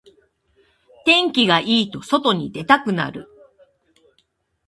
天気がいいと外に出たくなる